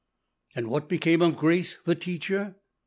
And what became of Grace, the teacher?